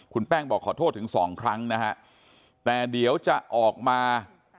คุณแป้งบอกขอโทษถึงสองครั้งนะฮะแต่เดี๋ยวจะออกมา